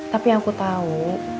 tapi yang aku tau